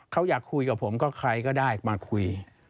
เขาอยากคุยกับผมก็ใครก็ได้มาคุย